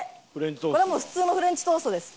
これはもう普通のフレンチトーストです。